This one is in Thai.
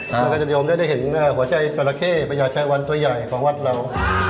แล้วก็จะนิยมได้เห็นหัวใจจราเข้พญาชายวันตัวใหญ่ของวัดเรา